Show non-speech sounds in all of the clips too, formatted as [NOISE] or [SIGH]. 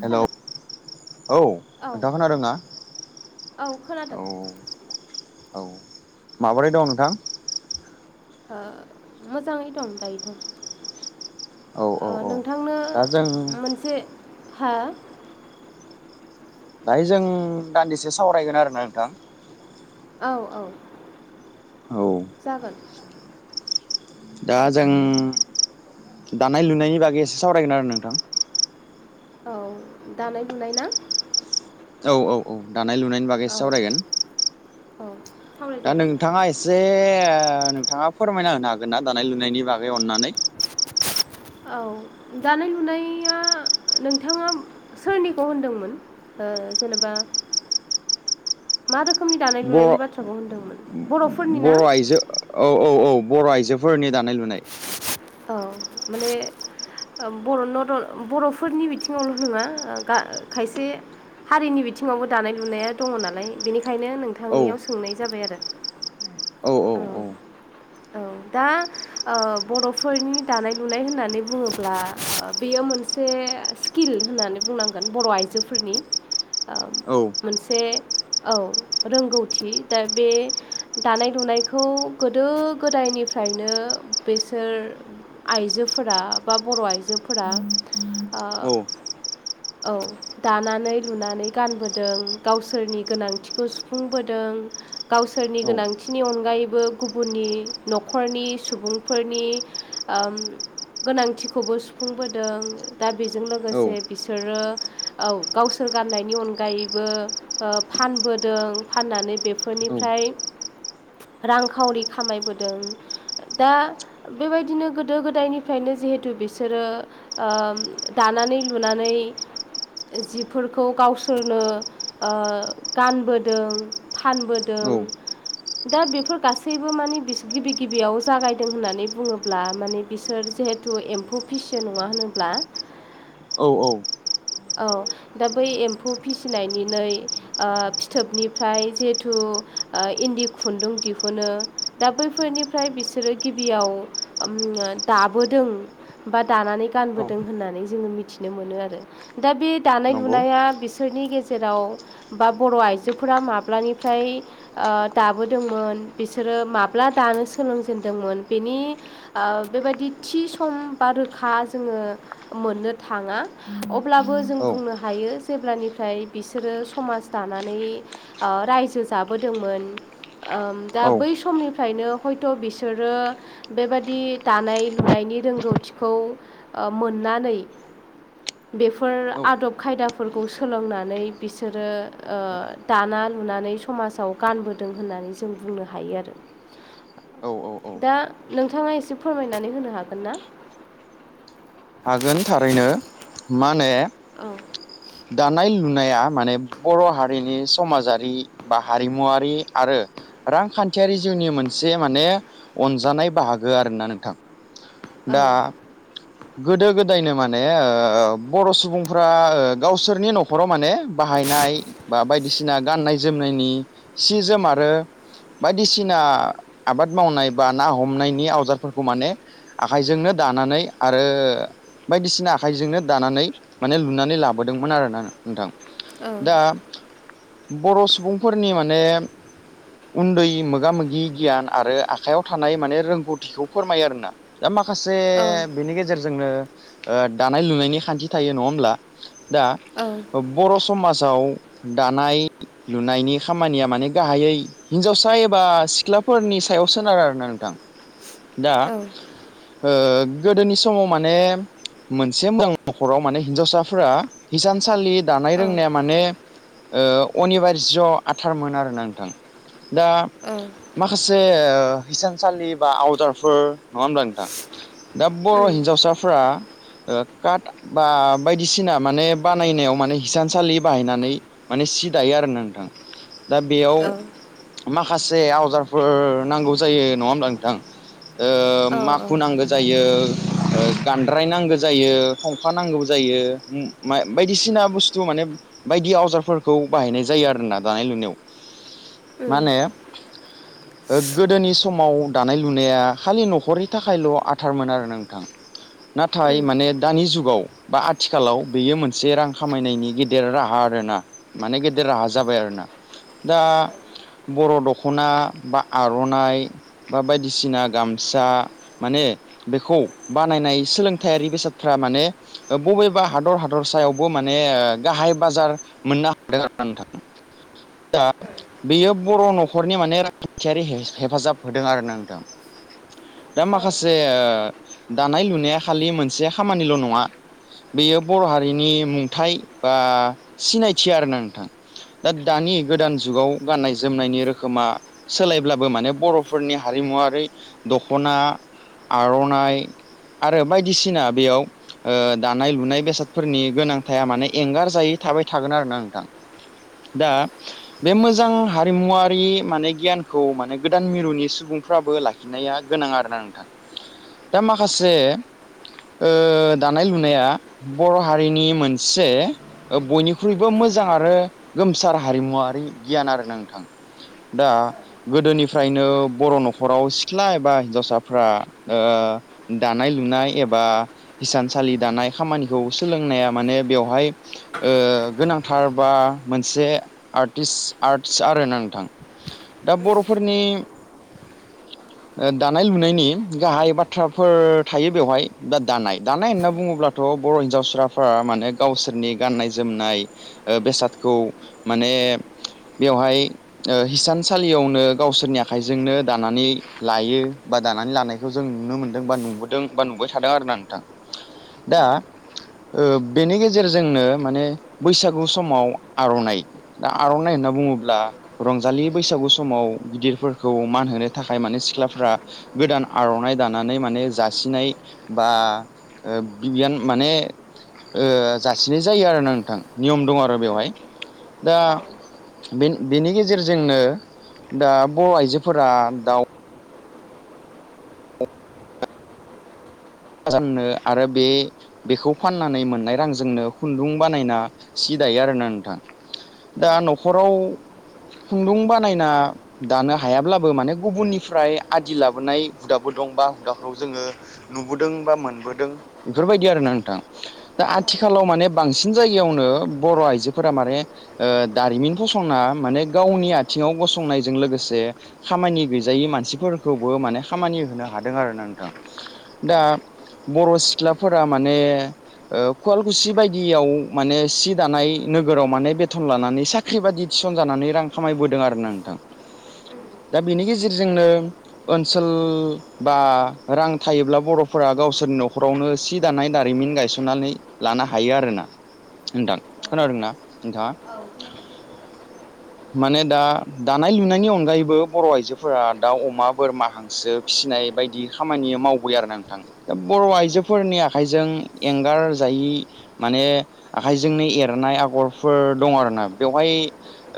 Hello hello औ औ नोंथां खोनादोंना? औ खोनादों। औ माबोरै दं नोंथां? ओ मोजाङै दं दायोथ'‌ औ औ ओ औ नोंथांनो दा जों मोनसे हा? दाहाय जों दान्दिसे सावरायगोन आरोना नोंथां। औ औ औ जागोन। दा जों दानाय लुनायनि बागै एसे सावरायगोन आरो नोंथां। औ दानाय लुनाय ना? औ औ औ दानाय लुनायनि बागै एसे औ सावरायगोन। औ। दा सावरायजागोन नोंथाङा एसे ओ नोंथाङा फोरमायना होनो हागोन ना दानाय लुनायनि बागै? अननानै। [INAUDIBLE] औ दानाय लुनाया नोंथाङा सोरनिखौ होनदोंमोन? ओ जेनेबा मा रोखोमनि दानाय लुनायनि बर' बाथ्राखौ होनदोंमोन बर'फोरनि बर' ना आइजो औ औ औ। बर' आइजोफोरनि दानाय लुनाय। औ माने बर' न बर'फोरनि बिथिङावल' नङा गा खायसे हारिनि बिथिङावबो दानाय लुनाया दङ नालाय बेनिखायनो औ नोंथांनियाव सोंनाय जाबाय आरो। औ औ ओ औ औ। दा ओ बर'फोरनि दानाय लुनाय होननानै बुङोब्ला बेयो मोनसे स्किल होननानै बुंनांगोन बर' आइजोफोरनि ओ औ मोनसे औ रोंगौथि दा बे दानाय लुनायखौ गोदो गोदायनिफ्रायनो बेसोर आइजोफोरा बा बर' आइजोफोरा ओ औ औ दानानै लुनानै गानबोदों गावसोरनि गोनांथिखौ सुफुंबोदों गावसोरनि औ गोनांथि नि अनगायैबो गुबुननि न'खरनि सुबुंफोरनि ओम गोनांथिखौबो सुफुंबोदों दा बेजों औ लोगोसे बिसोरो औ गावसोर गाननायनि अनगायैबो ओ फानबोदों फाननानै बेफोरनिफ्राय रांखावरि खामायबोदों दा बेबायदिनो गोदो गोदायनिफ्रायनो जिहेथु बिसोरो ओ दानानै लुनानै जिफोरखौ गावसोरनो ओ गानबोदों फानबोदों औ [INAUDIBLE] [UNINTELLIGIBLE] दा बेफोर गासैबो माने गिबि गिबियाव जागायदों होननानै बुङोब्ला माने बिसोर जेहे थु एम्फौ फिसियो नङा होनोब्ला औ-औ औ दा बै एम्फौ फिसिनायनिनै फिथोबनिफ्राय जिहेथु ओ इन्दि खुन्दुं दिहुनो दा बैफोरनिफ्राय बिसोरो गिबियाव उम दाबोदों बा दानानै गानबोदों होननानै जोङो मिथिनो मोनो आरो दा बे दानाय नंगौ लुनाया बिस सोरनि गेजेराव बा बर' आइजोफोरा माब्लानिफ्राय ओ दाबोदोंमोन बिसोरो माब्ला दानो सोलोंजेनदोंमोन बेनि ओ बेबायदि थि सम बा रोखा जोङो मोननो थाङा अब्लाबो जों औ बुंनो हायो हायो जेब्लानिफ्राय बिसोरो समाज दानानै ओ रायजो जाबोदोंमोन। ओ दा औ बै समनिफ्रायनो हयथ' बिसोरो बेबादि दानाय लुनाय नायनि रोंगौथिखौ मोननानै बेफोर औ आदब खायदाफोरखौ सोलोंनानै बिसोरो ओ दाना लुनानै समावजाव गानबोदों होननानै जों बुंनो हायो आरो औ औ दा नोंथाङा एसे फोरमायनानै होनो हागोन ना? हागोन थारैनो मा होनो औ दानाय- लुनाया माने बर' हारिनि समाजारि बा हारिमुवारि आरो रांखा न्थियारि जिउनि मोनसे माने अनजानाय बाहागो आरो ना नोंथां। औ दा गोदो गोदायनो माने ओ बर' सुबुंफ्रा गावसोरनि न'खराव माने बाहायनाय बा बायदिसिना गाननाय जोमनायनि सि जोम आरो बायदिसिना आबाद मावनाय बा ना हमनायनि आवजादफोरखौ माने आखाइजोंनो दानानै आरो बायदिसिना आखाइजोंनो दानानै माने लुनानै लाबोदोंमोन आरोना नोंथां। औ दा बर' सुबुंफोरनि माने उन्दै मोगा मोगि गियान आरो आखाइयाव थानाय माने रोंगौथिखौ फोरमायो आरोना दा खासे औ जोंनो ओ दानाय लुनायनि खान्थि थायो नङा होमब्ला? दा औ बर' समाजाव दानाय लुनायनि खामानिया माने गाहायै हिन्जावसा एबा सिख्लाफोरनि सायाव सोनारो आरो ना नोंथां। [INAUDIBLE] [UNINTELLIGIBLE] दा औ ओ गोदोनि समाव माने मोनसे मोजां न'खराव माने हिनजावसाफोरा हिसानसालि दानाय रोंनाया औ माने ओ अनिबार ज' आथारमोन आरोना नोंथां। दा औ माखा से ओ हिसानसालि बा आवदारफोर नङा होमबा नोंथां? दा बर' हिन्जावसाफ्रा ओ काट बा बायदिसिना माने बानायनायाव माने हिसानसालि बाहायनानै माने सि दायो आरो ना नोंथां। दा बेयाव माखासे आवजारफोर नांगौ जायो नङा होमब्ला नोंथां? ओ माखु नांगौ जायो। ओ गानद्राय नांगौ जायो फंफा नांगौ जायो बायदिसिना बुस्थु माने बायदि आवजारफोरखौ बाहायनाय जायो आरोना दानाय लुनायाव माने गोदोनि समाव दानाय लुनाया खालि न'खरनि थाखायल' आ थारमोन आरो नोंथां नाथाय माने दानि जुगाव बा आथिखालाव बेयो मोनसे रां खामायनायनि गेदेर राहा आरोना माने गेदेर राहा जाबाय आरो। ना दा बर' दख'ना बा आर'नाइ बा बायदिसिना गामसा माने बेखौ बानायनाय सोलोंथायारि बेसादफ्रा माने बबेबा हादर हादर सायावबो माने माने गाहाय बाजार मोननो हादों आरो नोंथां। दा बेयो बर' न'खरनि माने रांखयारि हेफाजाब होदों आरोना नोंथां। दा माखासे ओ दानाय लुनाया खालि मोनसे खामानिल' नङा। बेयो बर' हारिनि मुंथाय बा सिनायथि आरोना नोंथां। दा दानि गोदान जुगाव गाननाय जोमनायनि रोखोमा सोलायब्लाबो माने बर'फोरनि हारि हारिमुवआरि दख'ना आर'नाइ आरो बायदिसिना बेयाव ओ दानाय लुनाय बेसादफोरनि गोनांथाया माने एंगार जायै थाबाय थागोन आरोना नोंथां। दा बे मोजां हारिमुवारि माने गियानखौ माने गोदान मिरुनि सुबुं फ्राबो लाखिनाया गोनां आरोना नोंथां दा माखासे ओ दानाय लुनाया बर' हारिनि मोनसे बयनिख्रुइबो मो मोजां आरो गोमसार हारिमुवारि गियान आरो न नोंथां दा गोदोनिफ्रायनो बर' न'खराव सिख्ला एबा हिनजावसा फ्रा ओ दानाय लुनाय एबा हिसानसालि दानाय खामानिखौ सोलों नाया माने बेवहाय ओ गोनांथार बा मोनसे आरटिस आरत आरोना नोंथां दा बर'फोरनि दानाय लु लुनायनि गाहाय बाथ्राफोर थायो बेवहाय दा दानाय दानाय होनना बुङोब्लाथ' बर' हिनजाव साफ्रा माने गावसोरनि गाननाय जोमनाय बेसादखौ माने बेवहाय हिसानसालियावनो गावसोरनि आखाइजोंनो दानानै लायो बा दानानै लानायखौ जों नुनो मोनदों बा नुबोदों बा नुबाय थादों आरोना नोंथां। दा ओ बेनि गेजेरजोंनो माने बैसागु समाव आर'नाइ दा आर'नाइ होन होनना बुङोब्ला रंजालि बैसागु समाव गिदिरफोरखौ मान होनो थाखाय माने सिख्लाफ गोदान आर'नाइ दानानै माने जासिनाय बा ओ बिबियान माने ओ जासिनाय जायो आरो ना नोंथां नियम दं आरो बेवहाय दा औ। बेनि गेजेरजोंनो दा बर' आइजोफोरा दाउ ननो आरो बे बेखौ फाननानै मोननाय रांजोंनो खुन्दुं बानायना सि दायो आरोना नोंथां दा न'खराव खुन्दुं बानायना दानो हायाब्लाबो माने गुबुननिफ्राय आदि लाबोनाय हुदाबो दं दंबा हुदाखौ जोङो नु नुबोदों बा मोनबोदों बेफोरबायदि आरो ना नोंथां दा आथिखालाव माने बांसिन जायगायावनो बर' आइजोफोरा माने ओ दारिमिन फसंना माने गावनि आथिङाव गसंनायजों लोगोसे से खामानि गैजायै मानसिफोरखौबो माने खामानि होनो हादों आरोना नोंथां। दा बर' सिख्लाफोरा माने ओ खुवालकुसि बायदियाव माने सि दानाय नोगोराव माने बेथन लानानै साख्रि बाददि थिसनजानानै रां खामायबोदों आरो ना नोंथां। दा बिनि गेजेरजोंनो ओनसोल बा रां थायोब्ला बर'फोरा गावसोरनि न'खरावनो सि दानाय दारिमिन गायसननानै लानो हायो आरोना। नोंथां खोनादोंना नोंथाङा। माने दा दानाय लुनायनि अनगायैबो बर' आइजोफोरा दाउ अमा बोरमा हांसो फिनाय बायदि खामानि मावबोबाय आरोना नों थां ओ बर' आइजोफोरनि आखाइजों एंगार जायि माने आखाइजोंनि नि एरनाय आगरफोर दं आरोना बेवहाय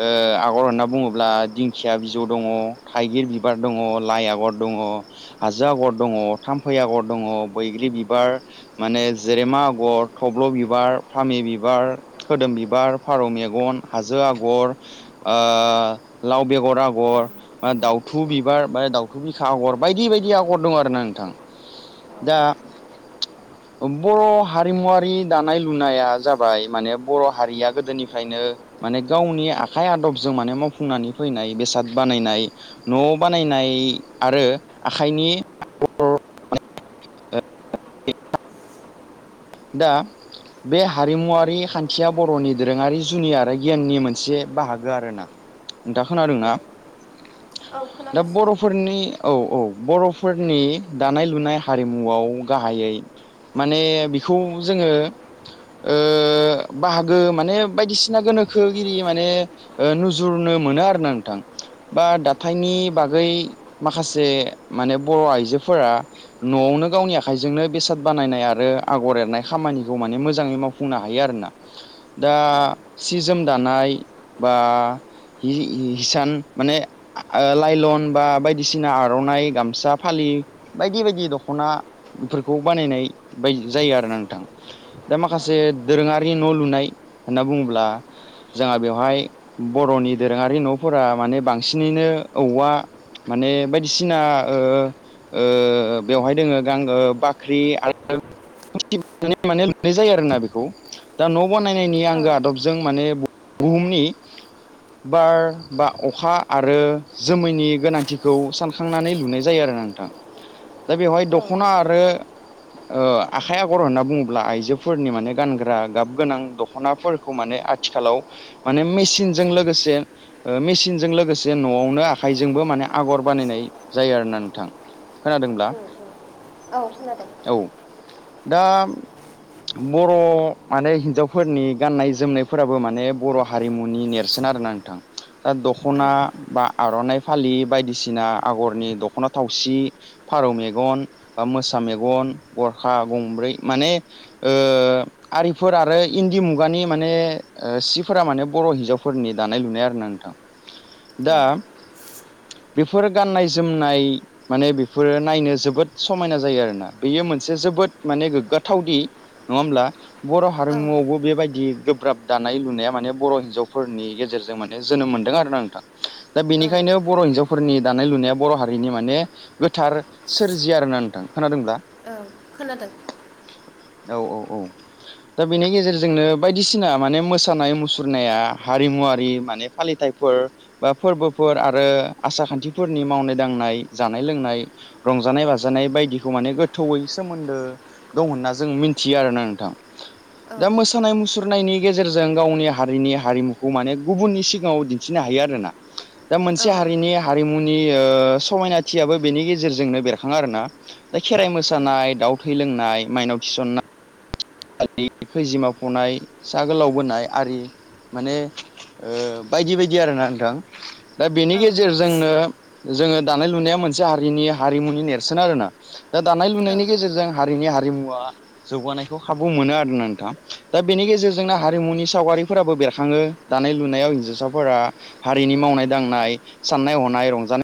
ओ आग'र होनना बुङोब्ला दिंखिया बिजौ दङ थाइगिर बिबार दङ लाइ आगर दं ङ हाजो आगर दङ थाम फै आग'र दङ बैग्रि बिबार माने जेरेमा आगर थब्ल' बिबार फामे बि बार खोदोम बिबार फारौ मेगन हाजो आगर ओ लाव बे गर आगर बा दाउथु बिबार बा दाउथु बिखा आग'र बायदि बायदि आगर दं आरोना नोंथां। दा ओ बर' हारिमुवारि दानाय लुनाया जाबाय माने बर' हारिया गोदोनिफ्राय नो माने गावनि आखाइ आदबजों माने मावफुंनानै फैनाय बेसाद बानायनाय न'आव बा नायनाय आरो आखाइनि [INAUDIBLE] दा बे हारिमुवारि खान्थिया बर'नि दोरोङारि जुनि आरो गियाननि मोनसे बाहागो आरोना। नोंथां खोनादों ना? दा बर'फोरनि औ औ बर'फोरनि दानाय लुनाय हारिमुआव गाहायै माने बि खौ जोङो ओ बाहागो माने बायदिसिना गोनोखो एरि माने ओ नुजुरनो मोनो आरोना नोंथां बा दाथायनि बागै माखासे माने बर' आइजो फोरा न'आवनो गावनि आखाइजोंनो बेसाद बानायनाय आरो आगर एरनाय खामानिखौ माने मोजाङै मावफुंनो हायो आरोना दा सि जोम दानाय इ बा हि-हि-हिसान माने आ ओ लाइलन बा बायदिसिना आर'नाइ गामसा फालि इ बायदि बायदि दख'नाफोरखौ बानायनाय बाय जायो आरोना नोंथां। दा माखासे दोरोङारि न' लुनाय होनना बुङोब्ला जाय हा बेवहाय बर'नि दोरोङारि न'फोरा माने बांसिनैनो औवा माने बायदिसिना ओ ओ बेवहाय दोङो गांगो बाख्रि आरो [UNINTELLIGIBLE] माने लुनाय जायो आरोना बेखौ। दा न' न'या नायनायनि आंगो आदबजों माने बुहुमनि बार बा अखा आरो जोमैनि गोनांथिखौ सानखांनानै लुनाय जायो आरोना ना नोंथां दा बेवहाय दख'ना आरो ओ आखाइ आगर होनना बुङोब्ला आइजोफोरनि माने गानग्रा गाब गोनां दख'नाफोरखौ माने आ थिखालाव माने मेसिनजों लोगोसे ओ मेसिनजों लोगोसे न'आवनो आखाइजोंबो माने ए आग'र बानायनाय जायो आरोना नोंथां। खोनादोंब्ला औ दा बर' माने हिनजावफोरनि गाननाय जोमनायफोराबो माने बर' हारिमुनि नेरसोन आरोना नोंथां दा दख'ना बा आर'नाइ फालि बायदिसिना आगरनि दख'ना थाव थावसि फारौ मेगन बा मोसा मेगन गरखा गंब्रै माने ओ आरिफोर आरो इन्दि मुगानि माने ओ सिफोरा माने बर' हिन्जावफोरनि दानाय लुनाय आरोना नोंथां दा बेफोर गाननाय जोमनाय माने बेफोरो नायनो जोबोद समायना जायो आरोना बेयो मोन से जोबोद माने गोग्गाथावदि नङा होमब्ला बर' हारिमुआवबो बेबायदि गोब्राब दानाय लुनाया माने बर' हिन्जावफोरनि गेजेरजों माने जोनोम मोनदों आरोना नोंथां। दा बेनिखायनो बर' हिनजाव फोरनि दानाय लुनाया बर' हारिनि माने गोथार सोरजि आरोना नोंथां। खोनादोंब्ला? औ खोनादों। औ औ औ। दा बेनि गेजेरजोंनो बायदिसिना माने मोसानाय मुसुरनाया हारिमुवारारि माने फालिथाय बा फोरबोफोर आरो आसार खान्थिफोरनि मावनाय दांनाय जानाय लोंनाय रंजानाय बाजानाय बायदिखौ माने गो गोथौवै सोमोन्दो दं होनना जों मिथियो आरोना नोंथां दा मोसानाय मुसुर मुसुरनायनि गेजेरजों गावनि हारिनि हारिमुखौ माने गुबुननि सिगाङाव दिन्थिनो हायो आरोना। दा मोनसे हारिनि हारिमु ओ समायनाथियाबो बेनि गेजेरजोंनो बेरखांङो आरोना दा खेराय मोसानाय मोसानाय दाउ थै लोंनाय माइनाव थिसननाय खैजिमा फुनाय सा गोलाव बोनाय आरि माने ओ बायदि बायदि आरोना नोंथां। दा बेनि गेजेरजोंनो जोंङो दानाय लुनाया मोनसे हारिनि हारिमुनि नेरसोन आरोना दा दानाय लुनायनि गेजेरजों हारिनि हारिमुवा जौगानाय खाबु मोनो आरोना नोंथां दा बेनि गेजेरजोंनो हारिमुनि सावगारिफोराबो बेरखाङो दानाय लुनायाव हिनजावसाफोरा हारिनि मावनाय दांनाय साननाय हनाय रंजानाय